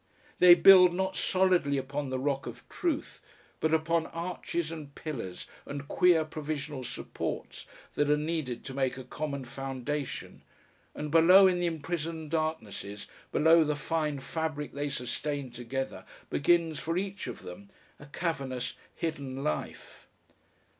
They build not solidly upon the rock of truth, but upon arches and pillars and queer provisional supports that are needed to make a common foundation, and below in the imprisoned darknesses, below the fine fabric they sustain together begins for each of them a cavernous hidden life.